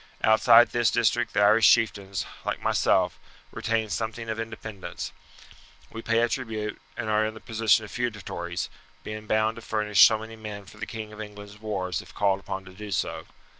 Outside this district the Irish chieftains, like myself, retain something of independence; we pay a tribute, and are in the position of feudatories, being bound to furnish so many men for the King of England's wars if called upon to do so.